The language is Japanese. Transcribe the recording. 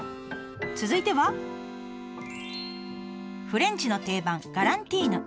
続いてはフレンチの定番ガランティーヌ。